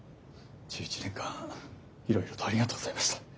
１１年間いろいろとありがとうございました。